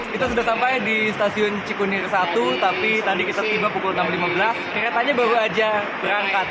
kita sudah sampai di stasiun cikunir satu tapi tadi kita tiba pukul enam lima belas keretanya baru aja berangkat